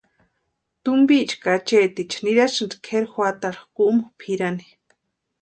Tumpicha ka acheeticha niraxatiksï kʼeri juatarhu kumu pʼirani.